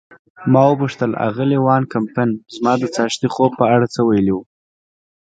ما وپوښتل: آغلې وان کمپن زما د څاښتي خوب په اړه څه ویلي وو؟